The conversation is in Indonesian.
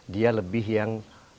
dia lebih yang